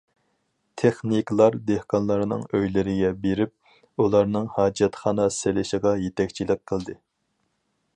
تېخنىكلار دېھقانلارنىڭ ئۆيلىرىگە بېرىپ، ئۇلارنىڭ ھاجەتخانا سېلىشىغا يېتەكچىلىك قىلدى.